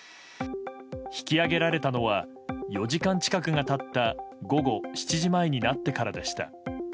引き揚げられたのは４時間近くが経った午後７時前になってからでした。